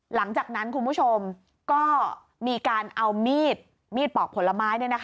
หลังจากนั้นคุณผู้ชมก็มีการเอามีดมีดปอกผลไม้